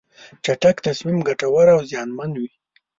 چټک تصمیم ګټور او زیانمن وي.